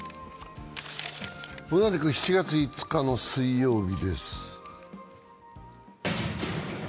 同じく７月５日の水曜日です。